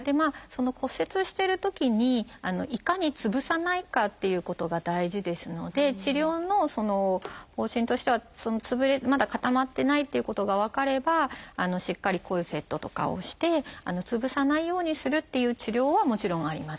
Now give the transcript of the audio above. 骨折してるときにいかにつぶさないかっていうことが大事ですので治療の方針としてはまだ固まってないということが分かればしっかりコルセットとかをしてつぶさないようにするという治療はもちろんあります。